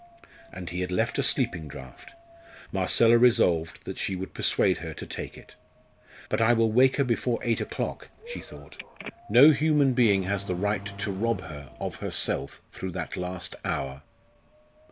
And he had left a sleeping draught. Marcella resolved that she would persuade her to take it. "But I will wake her before eight o'clock," she thought. "No human being has the right to rob her of herself through that last hour."